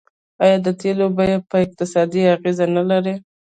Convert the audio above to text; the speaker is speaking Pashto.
آیا د تیلو بیه په اقتصاد اغیز نلري؟